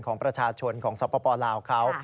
ของประชาชนของสปลาวเขา